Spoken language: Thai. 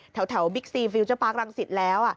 แถวบิ๊กซีฟิวเจอร์ปาร์ครังศิษย์แล้ว